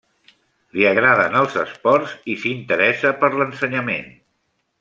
Li agraden els esports i s'interessa per l'ensenyament.